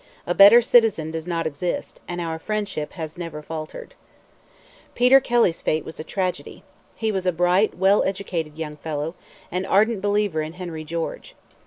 A better citizen does not exist; and our friendship has never faltered. Peter Kelly's fate was a tragedy. He was a bright, well educated young fellow, an ardent believer in Henry George.